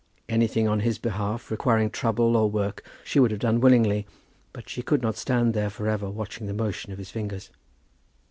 Anything on his behalf requiring trouble or work she would have done willingly; but she could not stand there for ever watching the motion of his fingers.